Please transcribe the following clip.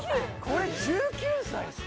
これ１９歳っすか？